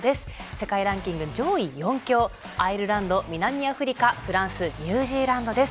世界ランキング上位４強アイルランド、南アフリカフランスニュージーランドです。